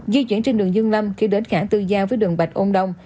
di chuyển trên đường dương lâm khi đến cảng tư giao với đường bạch âu đông